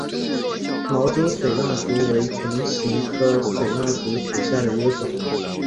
毛茎水蜡烛为唇形科水蜡烛属下的一个种。